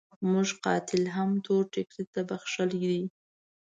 موږ قاتل هم تور ټکري ته بخښلی دی.